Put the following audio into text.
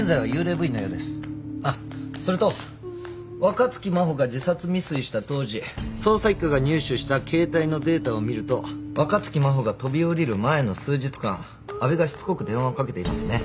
あっそれと若槻真帆が自殺未遂した当時捜査一課が入手した携帯のデータを見ると若槻真帆が飛び降りる前の数日間阿部がしつこく電話をかけていますね。